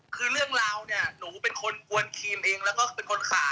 คือเรื่องราวเนี่ยหนูเป็นคนกวนครีมเอง